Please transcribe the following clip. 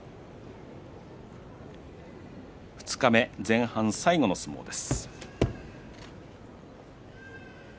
二日目、前半最後の相撲です。